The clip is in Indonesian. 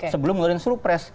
sebelum ngeluarin suruh pres